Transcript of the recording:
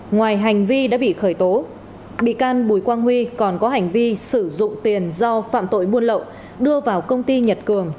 ngoài hành vi đã bị khởi tố bị can bùi quang huy còn có hành vi sử dụng tiền do phạm tội buôn lậu đưa vào công ty nhật cường